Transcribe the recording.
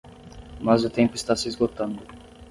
Mas o tempo está se esgotando